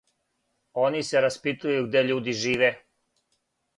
Они се распитују где људи живе.